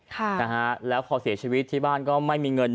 ค่ะนะฮะแล้วพอเสียชีวิตที่บ้านก็ไม่มีเงิน